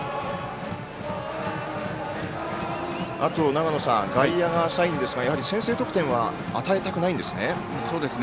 長野さん、外野が浅いんですがやはり先制得点は与えたくないんですね。